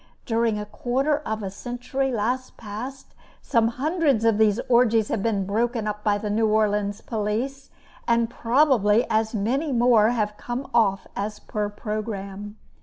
During a quarter of a century last past, some hundreds of these orgies have been broken up by the New Orleans police, and probably as many more have come off as per programme.